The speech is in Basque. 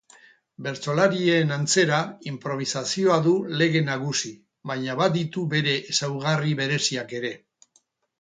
Bertsolarien antzera inprobisazioa du lege nagusi, baina baditu bere ezaugarri bereziak ere.